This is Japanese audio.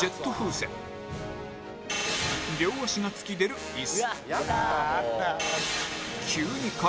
両足が突き出るイス